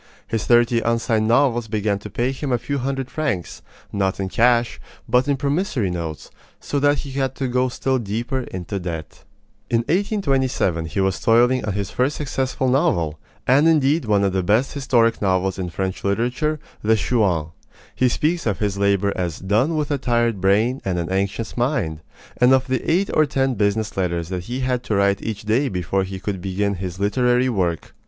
His thirty unsigned novels began to pay him a few hundred francs, not in cash, but in promissory notes; so that he had to go still deeper into debt. In 1827 he was toiling on his first successful novel, and indeed one of the best historic novels in French literature The Chouans. He speaks of his labor as "done with a tired brain and an anxious mind," and of the eight or ten business letters that he had to write each day before he could begin his literary work.